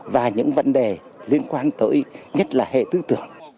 và những vấn đề liên quan tới nhất là hệ tư tưởng